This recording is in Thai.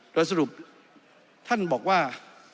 โดยสรุปท่านบอกว่า